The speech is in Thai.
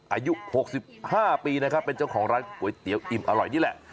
อายุ๖๕ปีนะครับเป็นเจ้าของร้านก๋วยเตี๋ยวอิ่มอร่อยนี่แหละ